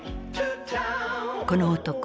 この男